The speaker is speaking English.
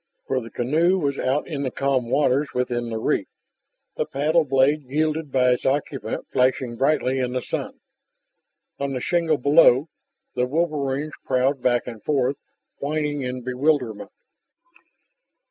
For the canoe was out in the calm waters within the reef, the paddle blade wielded by its occupant flashing brightly in the sun. On the shingle below, the wolverines prowled back and forth, whining in bewilderment.